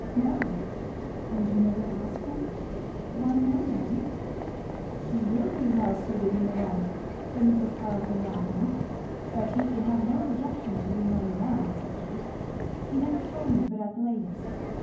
"No." "And you never asked him?" "Why no, ma'am!" "He will be well suited in a wife," said Mrs. Carleton laughing. "But he can have no objection to your knowing now, I suppose. He never told me but at the latest.